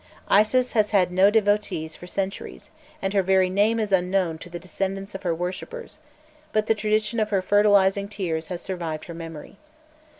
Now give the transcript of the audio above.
Isis has had no devotees for centuries, and her very name is unknown to the descendants of her worshippers; but the tradition of her fertilizing tears has survived her memory.